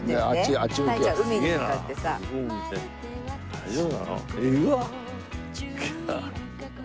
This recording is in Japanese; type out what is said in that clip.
大丈夫なの？